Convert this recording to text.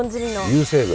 流星群。